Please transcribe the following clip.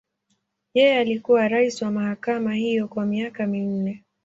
Yeye alikuwa rais wa mahakama hiyo kwa miaka minne.